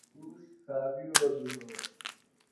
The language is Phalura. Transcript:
توش ݜاوِیڑوۡ بیۡ ہِڑوۡ۔